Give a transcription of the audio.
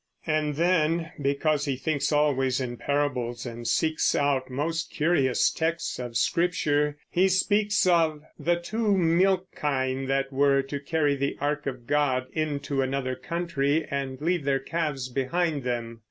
And then, because he thinks always in parables and seeks out most curious texts of Scripture, he speaks of "the two milch kine that were to carry the ark of God into another country and leave their calves behind them."